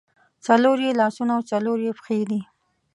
څلور یې لاسونه او څلور یې پښې دي.